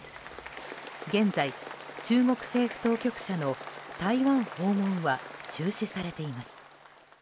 現在、中国政府当局者の台湾訪問は中止されています。